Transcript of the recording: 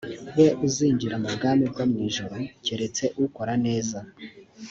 we uzinjira mu bwami bwo mu ijuru keretse ukora neza